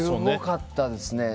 すごかったですね。